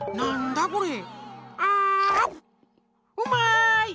うまい！